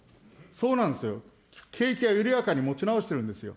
そうなんですよ、景気は緩やかに持ち直してるんですよ。